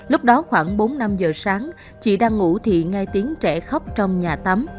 lúc đó khoảng bốn năm giờ sáng chị đang ngủ thì nghe tiếng trẻ khóc trong nhà tắm